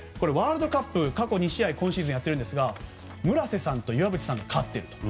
ワールドカップ、過去２試合今シーズンやっているんですが村瀬さんと岩渕さんが勝っている。